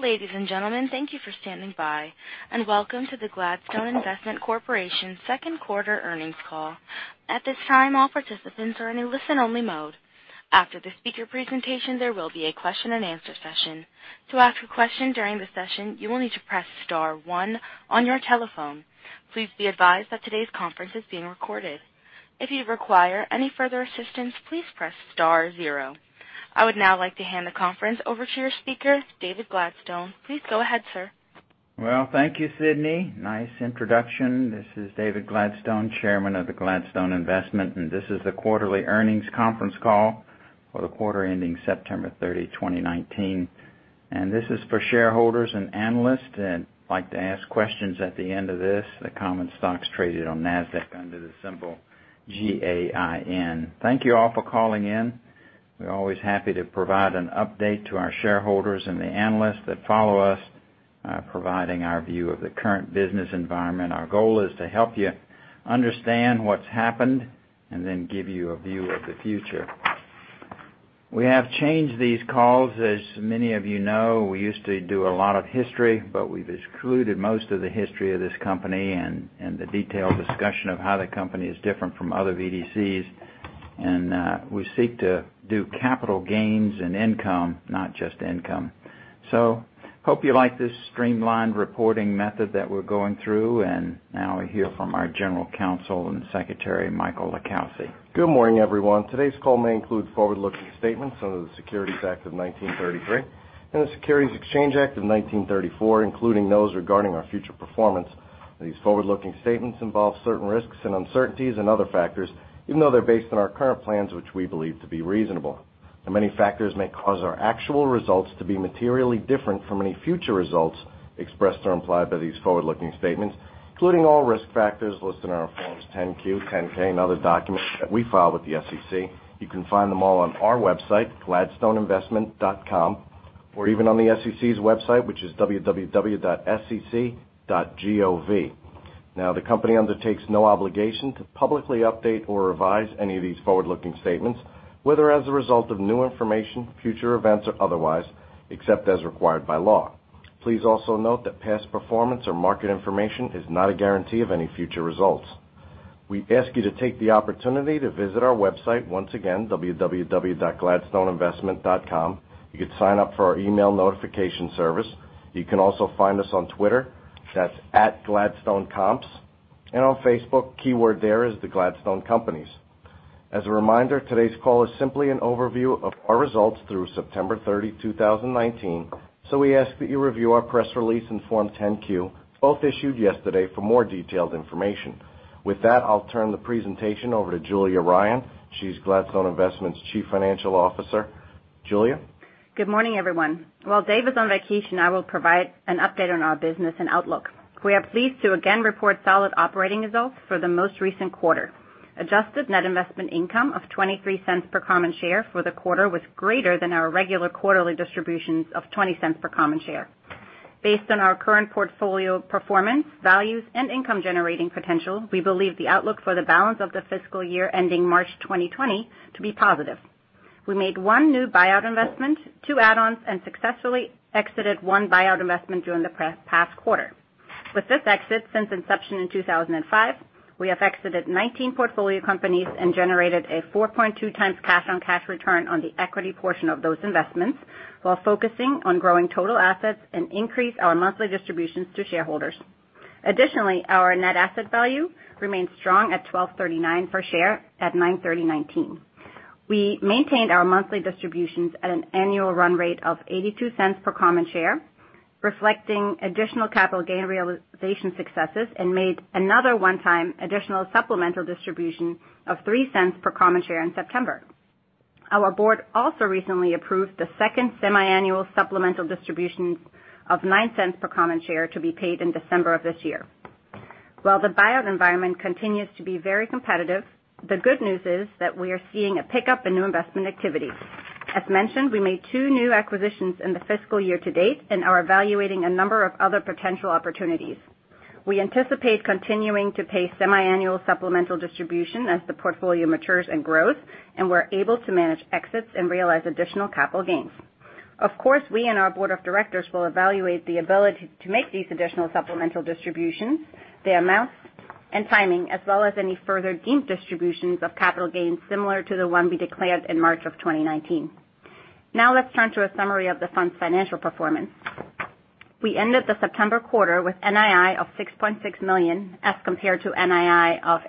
Ladies and gentlemen, thank you for standing by, and welcome to the Gladstone Investment Corporation second quarter earnings call. At this time, all participants are in a listen only mode. After the speaker presentation, there will be a question and answer session. To ask a question during the session, you will need to press star one on your telephone. Please be advised that today's conference is being recorded. If you require any further assistance, please press star zero. I would now like to hand the conference over to your speaker, David Gladstone. Please go ahead, sir. Well, thank you, Sydney. Nice introduction. This is David Gladstone, Chairman of the Gladstone Investment, and this is the quarterly earnings conference call for the quarter ending September 30, 2019. This is for shareholders and analysts that like to ask questions at the end of this. The common stock is traded on NASDAQ under the symbol GAIN. Thank you all for calling in. We're always happy to provide an update to our shareholders and the analysts that follow us, providing our view of the current business environment. Our goal is to help you understand what's happened and then give you a view of the future. We have changed these calls. As many of you know, we used to do a lot of history, but we've excluded most of the history of this company and the detailed discussion of how the company is different from other BDCs. We seek to do capital gains and income, not just income. Hope you like this streamlined reporting method that we're going through. Now we hear from our General Counsel and Secretary, Michael LiCalsi. Good morning, everyone. Today's call may include forward-looking statements under the Securities Act of 1933 and the Securities Exchange Act of 1934, including those regarding our future performance. These forward-looking statements involve certain risks and uncertainties and other factors, even though they're based on our current plans, which we believe to be reasonable. Many factors may cause our actual results to be materially different from any future results expressed or implied by these forward-looking statements, including all risk factors listed in our Forms 10-Q, 10-K, and other documents that we file with the SEC. You can find them all on our website, gladstoneinvestment.com, or even on the SEC's website, which is www.sec.gov. The company undertakes no obligation to publicly update or revise any of these forward-looking statements, whether as a result of new information, future events, or otherwise, except as required by law. Please also note that past performance or market information is not a guarantee of any future results. We ask you to take the opportunity to visit our website. Once again, www.gladstoneinvestment.com. You could sign up for our email notification service. You can also find us on Twitter. That's @GladstoneComps. On Facebook, keyword there is The Gladstone Companies. As a reminder, today's call is simply an overview of our results through September 30, 2019. We ask that you review our press release in Form 10-Q, both issued yesterday, for more detailed information. With that, I'll turn the presentation over to Julia Ryan. She's Gladstone Investment's Chief Financial Officer. Julia. Good morning, everyone. While Dave is on vacation, I will provide an update on our business and outlook. We are pleased to again report solid operating results for the most recent quarter. Adjusted net investment income of $0.23 per common share for the quarter was greater than our regular quarterly distributions of $0.20 per common share. Based on our current portfolio performance, values, and income generating potential, we believe the outlook for the balance of the fiscal year ending March 2020 to be positive. We made one new buyout investment, two add-ons, and successfully exited one buyout investment during the past quarter. With this exit, since inception in 2005, we have exited 19 portfolio companies and generated a 4.2 times cash on cash return on the equity portion of those investments while focusing on growing total assets and increase our monthly distributions to shareholders. Additionally, our net asset value remains strong at $12.39 per share at 9/30/2019. We maintained our monthly distributions at an annual run rate of $0.82 per common share, reflecting additional capital gain realization successes and made another one-time additional supplemental distribution of $0.03 per common share in September. Our board also recently approved the second semiannual supplemental distributions of $0.09 per common share to be paid in December of this year. While the buyout environment continues to be very competitive, the good news is we are seeing a pickup in new investment activity. As mentioned, we made two new acquisitions in the fiscal year to date and are evaluating a number of other potential opportunities. We anticipate continuing to pay semiannual supplemental distribution as the portfolio matures and grows, and we're able to manage exits and realize additional capital gains. Of course, we and our board of directors will evaluate the ability to make these additional supplemental distributions, the amounts, and timing, as well as any further deemed distributions of capital gains similar to the one we declared in March of 2019. Let's turn to a summary of the fund's financial performance. We ended the September quarter with NII of $6.6 million as compared to NII of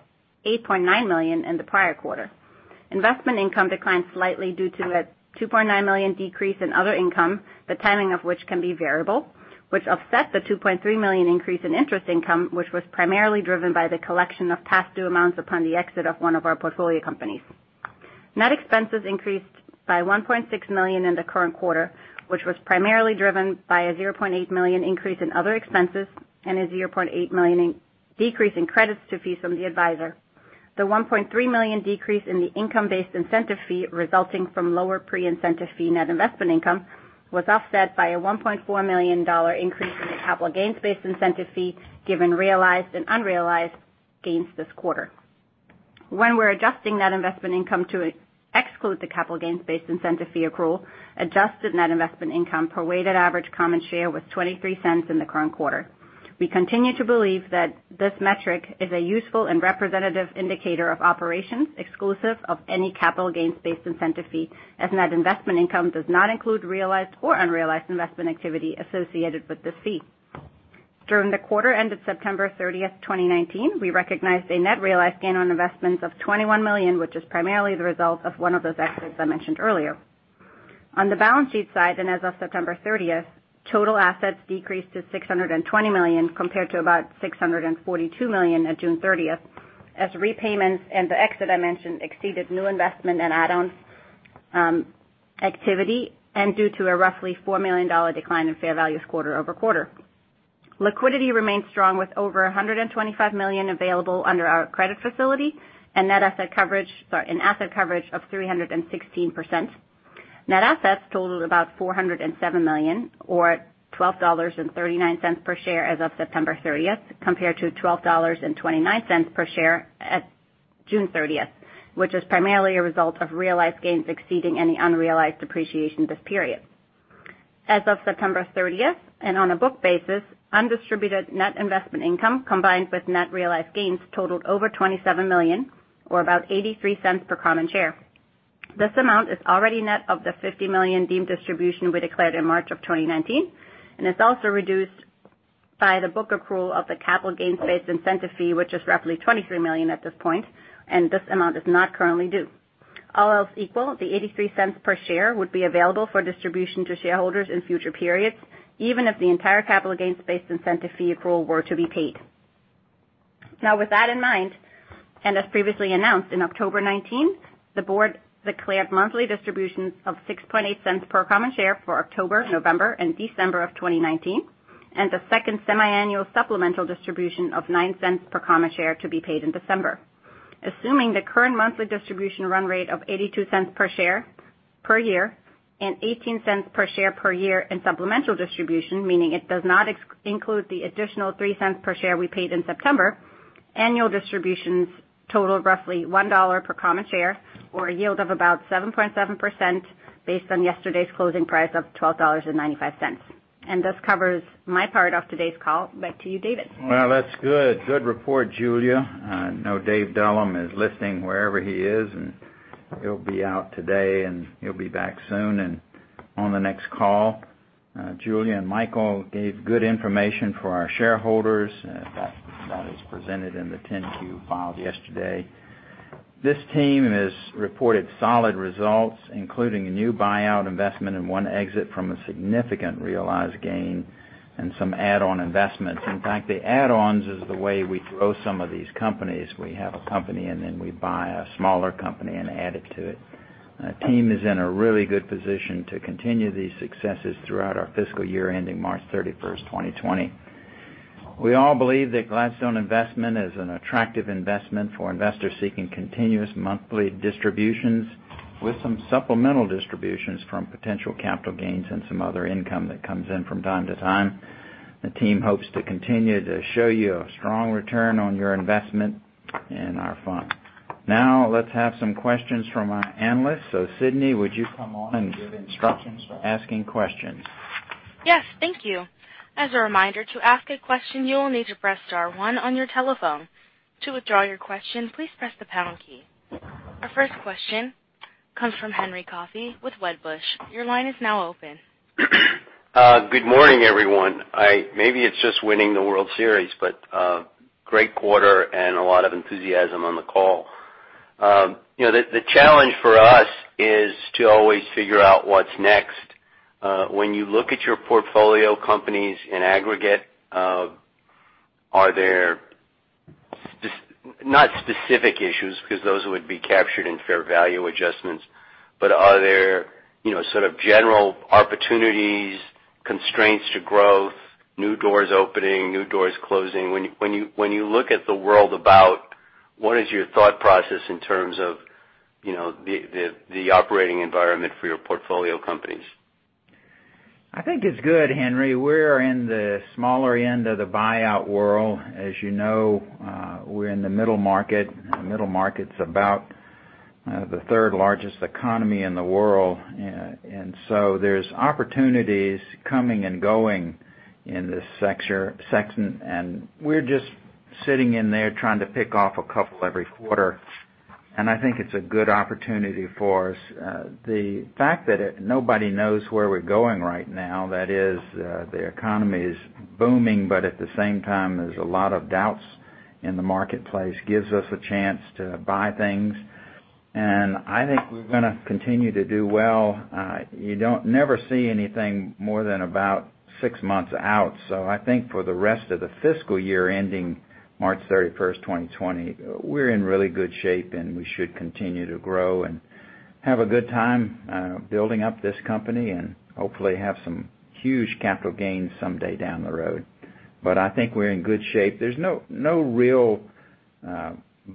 $8.9 million in the prior quarter. Investment income declined slightly due to a $2.9 million decrease in other income, the timing of which can be variable, which offset the $2.3 million increase in interest income, which was primarily driven by the collection of past due amounts upon the exit of one of our portfolio companies. Net expenses increased by $1.6 million in the current quarter, which was primarily driven by a $0.8 million increase in other expenses and a $0.8 million decrease in credits to fees from the advisor. The $1.3 million decrease in the income-based incentive fee resulting from lower pre-incentive fee net investment income was offset by a $1.4 million increase in the capital gains-based incentive fee given realized and unrealized gains this quarter. We're adjusting net investment income to exclude the capital gains based incentive fee accrual, adjusted net investment income per weighted average common share was $0.23 in the current quarter. We continue to believe that this metric is a useful and representative indicator of operations exclusive of any capital gains based incentive fee, as net investment income does not include realized or unrealized investment activity associated with this fee. During the quarter end of September 30th, 2019, we recognized a net realized gain on investments of $21 million, which is primarily the result of one of those exits I mentioned earlier. On the balance sheet side, as of September 30th, total assets decreased to $620 million compared to about $642 million at June 30th, as repayments and the exit I mentioned exceeded new investment and add-ons activity, and due to a roughly $4 million decline in fair values quarter-over-quarter. Liquidity remains strong with over $125 million available under our credit facility and asset coverage of 316%. Net assets totaled about $407 million, or $12.39 per share as of September 30th, compared to $12.29 per share at June 30th, which is primarily a result of realized gains exceeding any unrealized appreciation this period. As of September 30th, on a book basis, undistributed net investment income combined with net realized gains totaled over $27 million or about $0.83 per common share. This amount is already net of the $50 million deemed distribution we declared in March of 2019, and it's also reduced by the book accrual of the capital gains based incentive fee, which is roughly $23 million at this point, and this amount is not currently due. All else equal, the $0.83 per share would be available for distribution to shareholders in future periods, even if the entire capital gains based incentive fee accrual were to be paid. Now, with that in mind, and as previously announced in October 19th, the board declared monthly distributions of $$0.07 per common share for October, November, and December of 2019, and the second semiannual supplemental distribution of $0.09 per common share to be paid in December. Assuming the current monthly distribution run rate of $0.82 per share per year and $0.18 per share per year in supplemental distribution, meaning it does not include the additional $0.03 per share we paid in September, annual distributions total roughly $1 per common share or a yield of about 7.7% based on yesterday's closing price of $12.95. This covers my part of today's call. Back to you, David. That's good. Good report, Julia. I know David Dullum is listening wherever he is, and he'll be out today, and he'll be back soon and on the next call. Julia and Michael gave good information for our shareholders. That is presented in the 10-Q filed yesterday. This team has reported solid results, including a new buyout investment and one exit from a significant realized gain and some add-on investments. In fact, the add-ons is the way we grow some of these companies. We have a company, and then we buy a smaller company and add it to it. Team is in a really good position to continue these successes throughout our fiscal year ending March 31st, 2020. We all believe that Gladstone Investment is an attractive investment for investors seeking continuous monthly distributions, with some supplemental distributions from potential capital gains and some other income that comes in from time to time. The team hopes to continue to show you a strong return on your investment in our fund. Now, let's have some questions from our analysts. Sydney, would you come on and give instructions for asking questions? Yes. Thank you. As a reminder, to ask a question, you will need to press star one on your telephone. To withdraw your question, please press the pound key. Our first question comes from Henry Coffey with Wedbush. Your line is now open. Good morning, everyone. Maybe it's just winning the World Series, but great quarter and a lot of enthusiasm on the call. The challenge for us is to always figure out what's next. When you look at your portfolio companies in aggregate, are there, not specific issues, because those would be captured in fair value adjustments, but are there sort of general opportunities, constraints to growth, new doors opening, new doors closing? When you look at the world about, what is your thought process in terms of the operating environment for your portfolio companies? I think it's good, Henry. We're in the smaller end of the buyout world. As you know, we're in the middle market. Middle market's about the third largest economy in the world. There's opportunities coming and going in this section, and we're just sitting in there trying to pick off a couple every quarter. I think it's a good opportunity for us. The fact that nobody knows where we're going right now, that is, the economy is booming, but at the same time, there's a lot of doubts in the marketplace, gives us a chance to buy things. I think we're going to continue to do well. You don't never see anything more than about six months out. I think for the rest of the fiscal year ending March 31st, 2020, we're in really good shape, and we should continue to grow and have a good time building up this company and hopefully have some huge capital gains someday down the road. I think we're in good shape. There's no real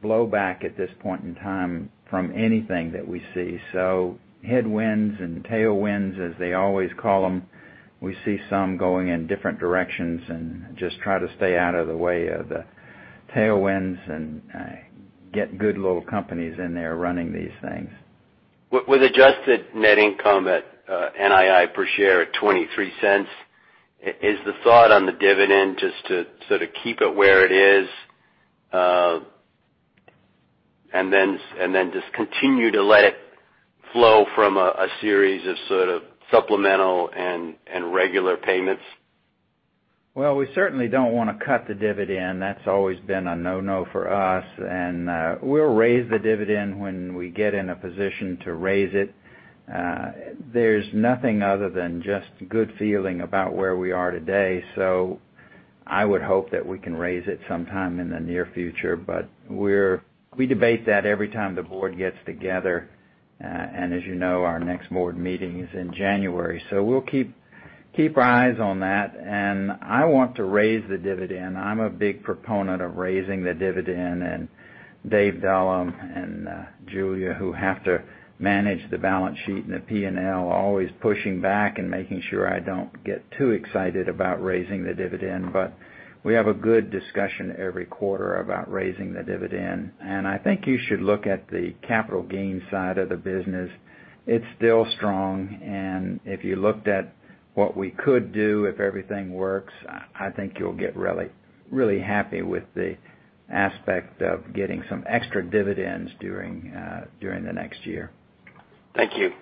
blowback at this point in time from anything that we see. Headwinds and tailwinds, as they always call them, we see some going in different directions and just try to stay out of the way of the tailwinds and get good little companies in there running these things. With adjusted net investment income at NII per share at $0.23, is the thought on the dividend just to keep it where it is, and then just continue to let it flow from a series of supplemental and regular payments? Well, we certainly don't want to cut the dividend. That's always been a no-no for us. We'll raise the dividend when we get in a position to raise it. There's nothing other than just good feeling about where we are today, I would hope that we can raise it sometime in the near future. We debate that every time the board gets together. As you know, our next board meeting is in January, we'll keep our eyes on that. I want to raise the dividend. I'm a big proponent of raising the dividend, David Dullum and Julia, who have to manage the balance sheet and the P&L, are always pushing back and making sure I don't get too excited about raising the dividend. We have a good discussion every quarter about raising the dividend. I think you should look at the capital gains side of the business. It's still strong. If you looked at what we could do, if everything works, I think you'll get really happy with the aspect of getting some extra dividends during the next year. Thank you.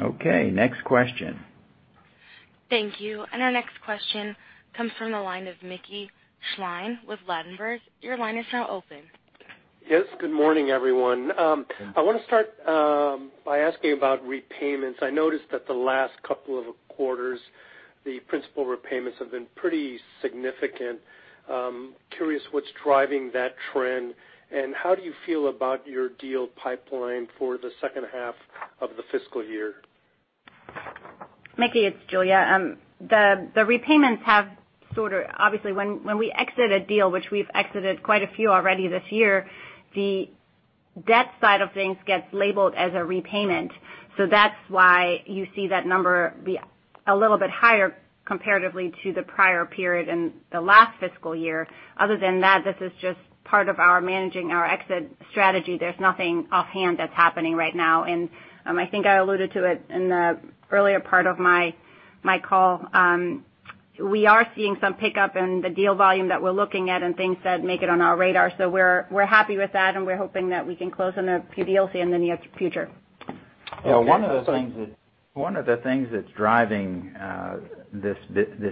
Okay. Next question. Thank you. Our next question comes from the line of Mickey Schleien with Ladenburg. Your line is now open. Yes. Good morning, everyone. I want to start by asking about repayments. I noticed that the last couple of quarters, the principal repayments have been pretty significant. Curious what's driving that trend, and how do you feel about your deal pipeline for the second half of the fiscal year? Mickey, it's Julia. The repayments have obviously, when we exit a deal, which we've exited quite a few already this year, the debt side of things gets labeled as a repayment. That's why you see that number be a little bit higher comparatively to the prior period and the last fiscal year. Other than that, this is just part of our managing our exit strategy. There's nothing offhand that's happening right now. I think I alluded to it in the earlier part of my call. We're happy with that, and we're hoping that we can close on a few deals in the near future. One of the things that's driving this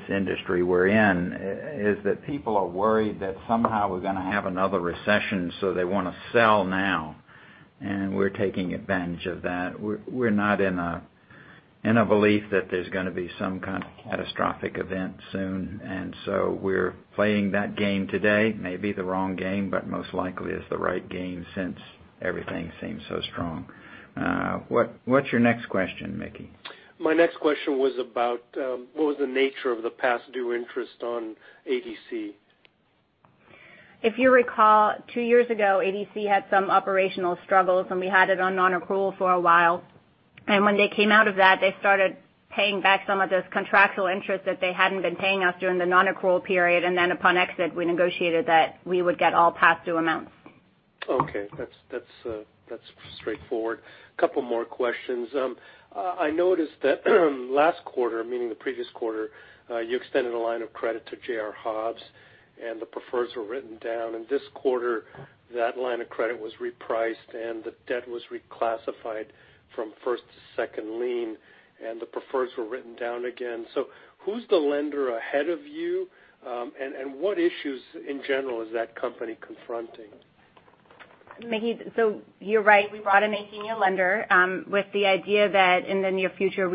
industry we're in is that people are worried that somehow we're going to have another recession, so they want to sell now. We're taking advantage of that. We're not in a belief that there's going to be some kind of catastrophic event soon. We're playing that game today. May be the wrong game, but most likely is the right game since everything seems so strong. What's your next question, Mickey? My next question was about what was the nature of the past due interest on ADC? If you recall, two years ago, ADC had some operational struggles, we had it on non-accrual for a while. When they came out of that, they started paying back some of those contractual interests that they hadn't been paying us during the non-accrual period. Upon exit, we negotiated that we would get all past due amounts. Okay. That's straightforward. Couple more questions. I noticed that last quarter, meaning the previous quarter, you extended a line of credit to J.R. Hobbs, and the prefers were written down. In this quarter, that line of credit was repriced, and the debt was reclassified from first to second lien, and the prefers were written down again. Who's the lender ahead of you, and what issues in general is that company confronting? Mickey, you're right. We brought in a senior lender with the idea that in the near future,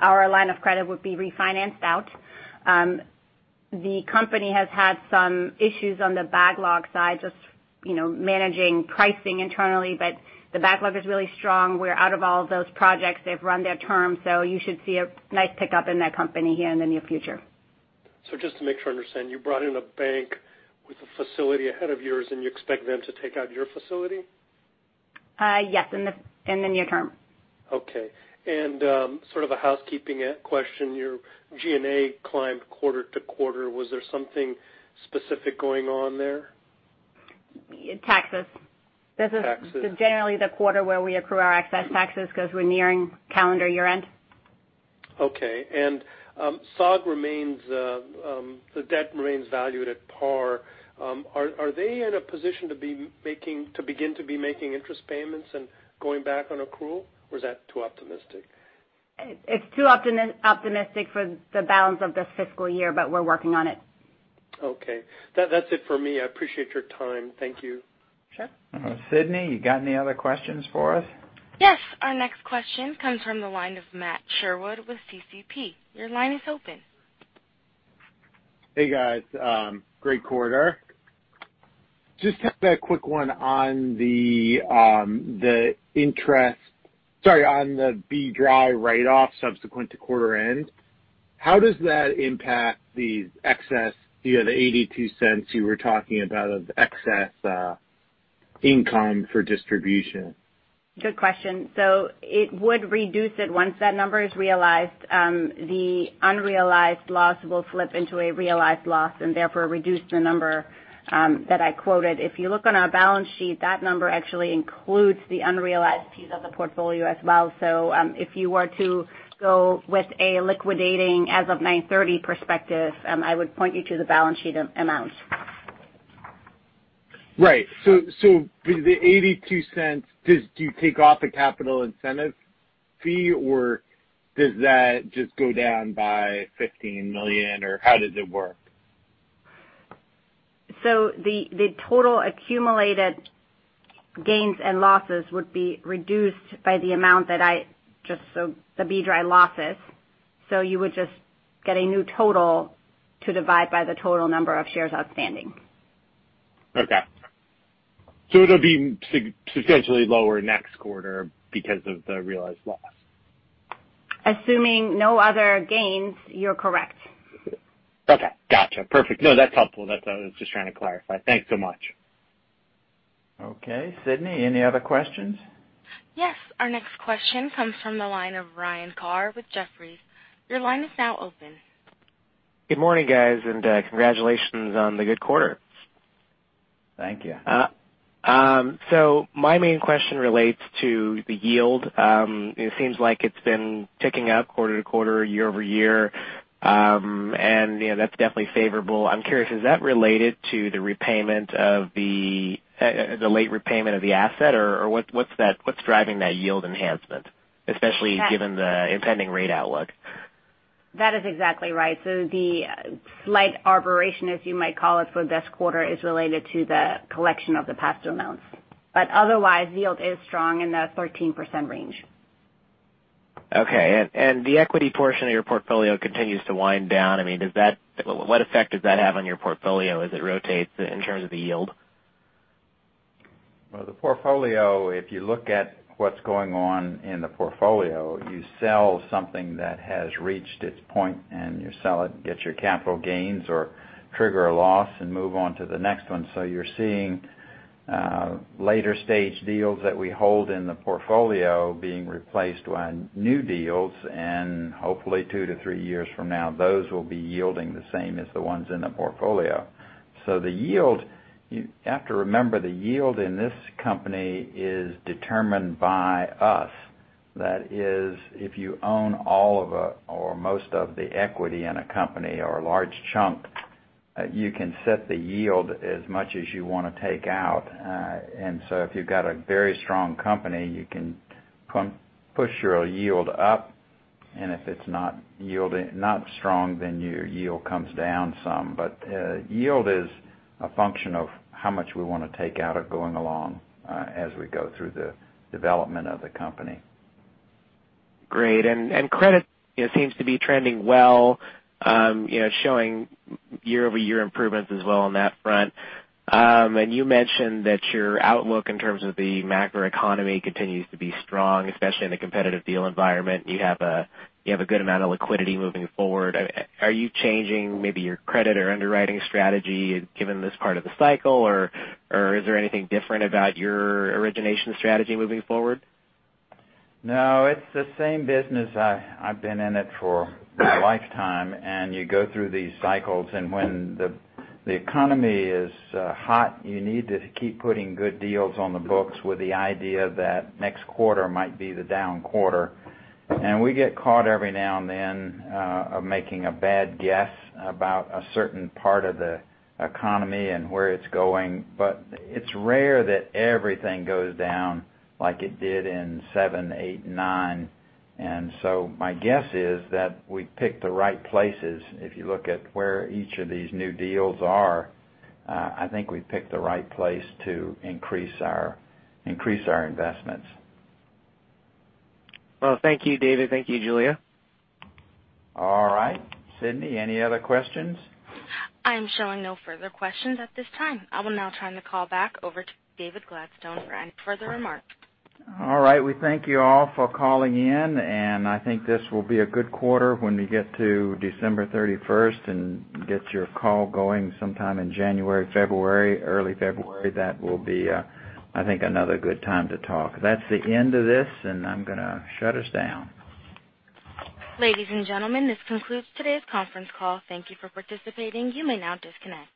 our line of credit would be refinanced out. The company has had some issues on the backlog side, just managing pricing internally, but the backlog is really strong, where out of all those projects, they've run their term. You should see a nice pickup in that company here in the near future. Just to make sure I understand, you brought in a bank with a facility ahead of yours, and you expect them to take out your facility? Yes. In the near term. Okay. Sort of a housekeeping question. Your G&A climbed quarter-to-quarter. Was there something specific going on there? Taxes. Taxes. This is generally the quarter where we accrue our excess taxes because we're nearing calendar year-end. Okay. SOG, the debt remains valued at par. Are they in a position to begin to be making interest payments and going back on accrual, or is that too optimistic? It's too optimistic for the balance of this fiscal year, but we're working on it. Okay. That's it for me. I appreciate your time. Thank you. Sure. Sydney, you got any other questions for us? Yes. Our next question comes from the line of Matt Sherwood with CCP. Your line is open. Hey, guys. Great quarter. Just have a quick one sorry, on the B-Dry write-off subsequent to quarter end. How does that impact the excess via the $0.82 you were talking about of excess? income for distribution? Good question. It would reduce it. Once that number is realized, the unrealized loss will flip into a realized loss and therefore reduce the number that I quoted. If you look on our balance sheet, that number actually includes the unrealized piece of the portfolio as well. If you were to go with a liquidating as of 9/30 perspective, I would point you to the balance sheet amount. Right. With the $0.82, do you take off the capital incentive fee or does that just go down by $15 million, or how does it work? The total accumulated gains and losses would be reduced by the amount that the B-Dry losses. You would just get a new total to divide by the total number of shares outstanding. Okay. It'll be substantially lower next quarter because of the realized loss. Assuming no other gains, you're correct. Okay. Gotcha. Perfect. No, that's helpful. That's what I was just trying to clarify. Thanks so much. Okay. Sydney, any other questions? Yes. Our next question comes from the line of Ryan Carr with Jefferies. Your line is now open. Good morning, guys, and congratulations on the good quarter. Thank you. My main question relates to the yield. It seems like it's been ticking up quarter-to-quarter, year-over-year. That's definitely favorable. I'm curious, is that related to the late repayment of the asset or what's driving that yield enhancement, especially given the impending rate outlook? That is exactly right. The slight aberration, as you might call it, for this quarter is related to the collection of the past due amounts. Otherwise, yield is strong in the 13% range. Okay. The equity portion of your portfolio continues to wind down. What effect does that have on your portfolio as it rotates in terms of the yield? The portfolio, if you look at what's going on in the portfolio, you sell something that has reached its point and you sell it, get your capital gains or trigger a loss and move on to the next one. You're seeing later stage deals that we hold in the portfolio being replaced by new deals and hopefully two to three years from now, those will be yielding the same as the ones in the portfolio. You have to remember, the yield in this company is determined by us. That is, if you own all of or most of the equity in a company or a large chunk, you can set the yield as much as you want to take out. If you've got a very strong company, you can push your yield up. If it's not strong, then your yield comes down some. Yield is a function of how much we want to take out of going along, as we go through the development of the company. Great. Credit seems to be trending well, showing year-over-year improvements as well on that front. You mentioned that your outlook in terms of the macroeconomy continues to be strong, especially in the competitive deal environment. You have a good amount of liquidity moving forward. Are you changing maybe your credit or underwriting strategy given this part of the cycle, or is there anything different about your origination strategy moving forward? No, it's the same business. I've been in it for my lifetime, you go through these cycles. When the economy is hot, you need to keep putting good deals on the books with the idea that next quarter might be the down quarter. We get caught every now and then, making a bad guess about a certain part of the economy and where it's going. It's rare that everything goes down like it did in 2007, 2008, 2009. My guess is that we pick the right places. If you look at where each of these new deals are, I think we've picked the right place to increase our investments. Well, thank you, David. Thank you, Julia. All right. Sydney, any other questions? I am showing no further questions at this time. I will now turn the call back over to David Gladstone for any further remarks. All right. We thank you all for calling in, and I think this will be a good quarter when we get to December 31st and get your call going sometime in January, February, early February. That will be, I think, another good time to talk. That's the end of this, and I'm going to shut us down. Ladies and gentlemen, this concludes today's conference call. Thank you for participating. You may now disconnect.